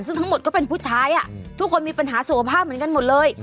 ซึ่งทั้งหมดก็เป็นผู้ชายทุกคนมีปัญหาสุขภาพเหมือนกันหมดเลย